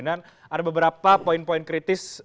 dan ada beberapa poin poin kritis